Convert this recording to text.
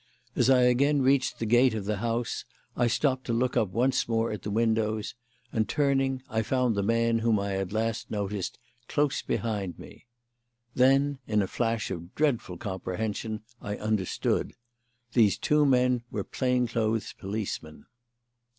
As I again reached the gate of the house I stopped to look up once more at the windows, and turning, I found the man whom I had last noticed close behind me. Then, in a flash of dreadful comprehension, I understood. These two men were plain clothes policemen.